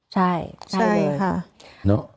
ใช่ค่ะ